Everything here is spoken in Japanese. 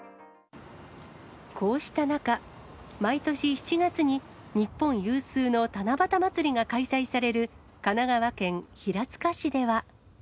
こうした中、毎年７月に、日本有数の七夕祭りが開催される神奈川県平塚市では。